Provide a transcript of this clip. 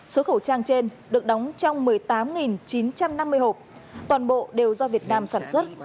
số khẩu trang trên được đóng trong một mươi tám chín trăm năm mươi hộp toàn bộ đều do việt nam sản xuất